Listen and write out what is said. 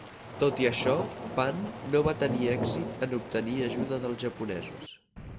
Tot i això, Phan no va tenir èxit en obtenir ajuda dels japonesos.